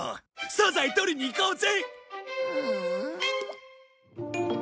サザエとりに行こうぜ。